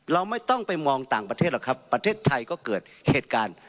เราไม่ต้องไปมองต่างประเทศหรอกครับ